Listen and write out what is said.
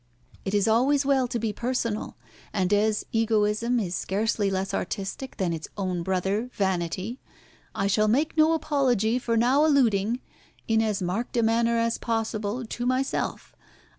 It is always well to be personal, and as egoism is scarcely less artistic than its own brother, vanity, I shall make no apology for now alluding, in as marked a manner as possible, to myself.